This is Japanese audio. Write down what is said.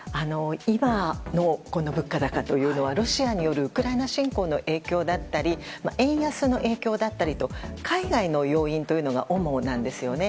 今の物価高はロシアによるウクライナ侵攻の影響だったり円安の影響だったりと海外の要因というのが主なんですね。